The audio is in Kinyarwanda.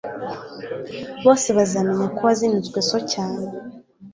bose bazamenya ko wazinutswe so cyane